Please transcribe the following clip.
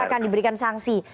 akan diberikan sangsi